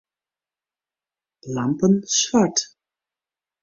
Lampen swart.